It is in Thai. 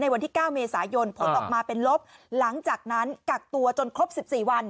วันที่๙เมษายนผลออกมาเป็นลบหลังจากนั้นกักตัวจนครบ๑๔วัน